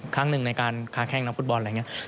ครั้งหนึ่งในการค้าแข้งนักฟุตบอลอะไรอย่างนี้